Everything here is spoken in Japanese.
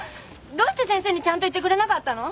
どうして先生にちゃんと言ってくれなかったの？